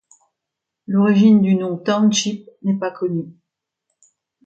L'origine du nom du township n'est pas connue.